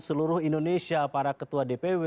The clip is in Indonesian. seluruh indonesia para ketua dpw